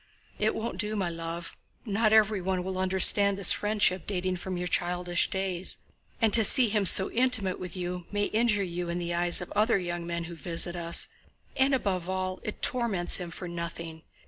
"It won't do, my love! Not everyone will understand this friendship dating from your childish days, and to see him so intimate with you may injure you in the eyes of other young men who visit us, and above all it torments him for nothing.